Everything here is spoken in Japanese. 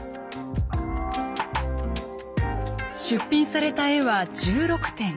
出品された絵は１６点。